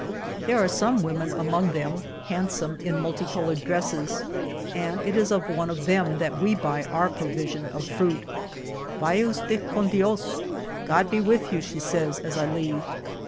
There are some women among them, handsome, in multi colored dresses, and it is of one of them that we buy our pro vision of fruit. Vaya us ted con Dios'' God be with you," she says as I leave.